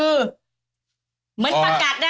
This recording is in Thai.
เหมือนปากัดน่ะ